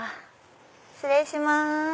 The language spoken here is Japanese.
失礼します。